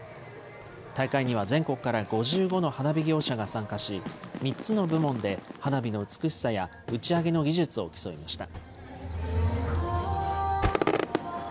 大会には全国から５５の花火業者が参加し、３つの部門で花火の美しさや打ち上げの技術を競いました。